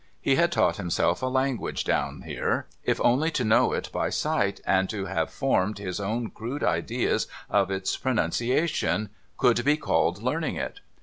He had taught himself a language down here, — if only to know it by sight, and to have formed his own crude ideas of its pronunciation, could be called learning it.